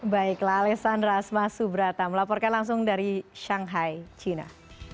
baiklah alessandra asma subrata melaporkan langsung dari shanghai china